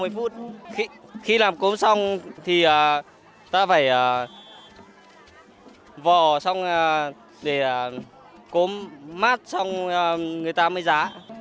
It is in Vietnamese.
ba mươi phút khi làm cốm xong thì ta phải vò xong để cốm mát xong người ta mới giá